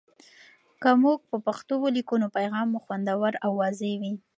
که موږ په پښتو ولیکو، نو پیغام مو خوندور او واضح وي.